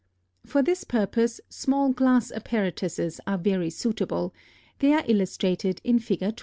For this purpose small glass apparatuses are very suitable; they are illustrated in Fig.